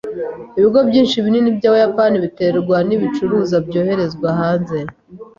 Ibigo byinshi binini byabayapani biterwa nibicuruzwa byoherezwa hanze.